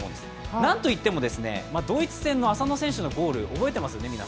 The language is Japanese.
なんといってもドイツ戦の浅野選手のゴール覚えてますよね。